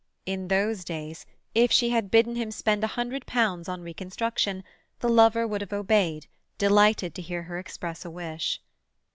In those days, if she had bidden him spend a hundred pounds on reconstruction, the lover would have obeyed, delighted to hear her express a wish.